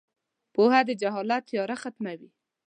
• پوهه د جهالت تیاره ختموي.